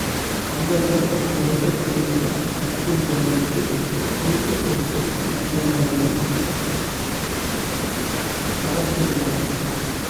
தொண்டர்கள் அங்கு வைக்கப்பட்டிருந்த அச்சு யந்திரங்களையும் எழுத்துக்கோர்க்கும் யந்திரங்களையும் தகர்த்தெறிந்தனர்.